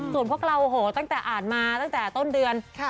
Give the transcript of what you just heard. ส่วนเพราะเราตั้งแต่อ่านมาตั้งแต่ต้นเดือน